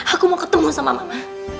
aku mau ketemu sama mama